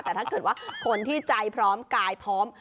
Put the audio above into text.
แต่ถ้าเกิดว่าคนที่ใจพร้อมกายพร้อม